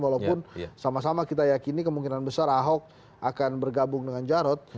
walaupun sama sama kita yakini kemungkinan besar ahok akan bergabung dengan jarod